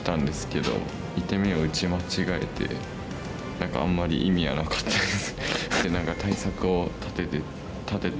何かあんまり意味はなかったです。